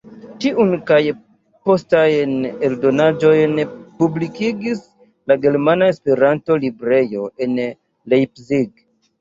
Tiun kaj postajn eldonaĵojn publikigis la Germana Esperanto-Librejo en Leipzig.